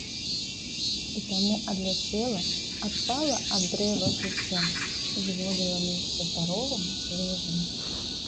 І таму адляцела, адпала ад дрэва жыцця, зволіла месца здароваму, свежаму.